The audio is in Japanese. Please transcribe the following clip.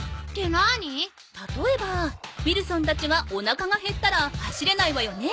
たとえばウィルソンたちはおなかがへったら走れないわよね。